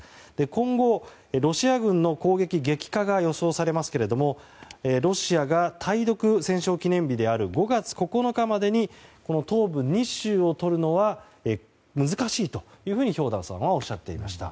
今後、ロシア軍の攻撃激化が予想されますけどロシアが対独戦勝記念日である５月９日までに東部２州をとるのは難しいというふうに兵頭さんはおっしゃっていました。